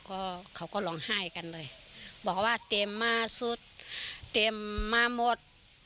ก็เขาก็ร้องไห้กันเลยบอกว่าเต็มมาสุดเต็มมาหมด